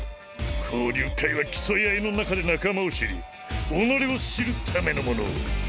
交流会は競い合いの中で仲間を知り己を知るためのもの。